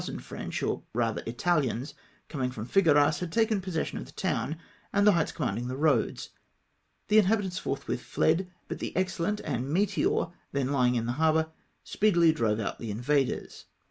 French, or rather Itahans, coming from Figueras, had taken possession of the town and the heights commanding the roads. The inhabitants forthwith fled ; but the Excellent and Meteor^ then lying in the harbour, speedily drove out the invaders.